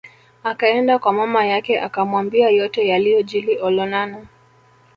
Akaenda kwa mama yake akamwambia yote yaliyojili Olonana